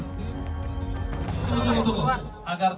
tunggu tunggu tunggu agar tertib